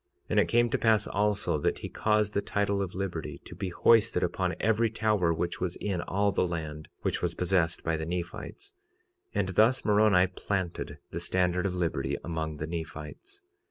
46:36 And it came to pass also, that he caused the title of liberty to be hoisted upon every tower which was in all the land, which was possessed by the Nephites; and thus Moroni planted the standard of liberty among the Nephites.